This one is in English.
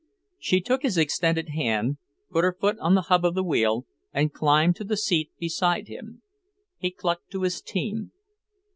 She took his extended hand, put her foot on the hub of the wheel, and climbed to the seat beside him. He clucked to his team.